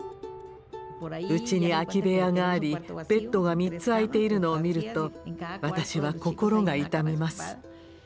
うちに空き部屋がありベッドが３つ空いているのを見ると私は心が痛みます。